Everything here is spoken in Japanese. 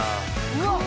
うわっ！